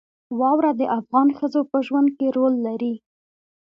واوره د افغان ښځو په ژوند کې رول لري.